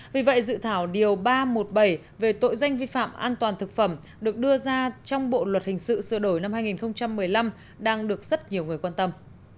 vì vậy dự thảo điều ba trăm một mươi bảy về tội danh vi phạm an toàn thực phẩm được đưa ra trong bộ luật hình sự sửa đổi năm hai nghìn một mươi năm đang được rất nhiều người quan tâm